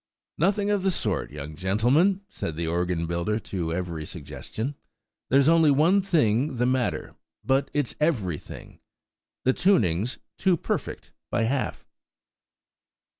"Nothing of the sort, young gentleman," said the organ builder to every suggestion. "There's only one thing the matter–but it's everything–the tuning's too perfect by half!"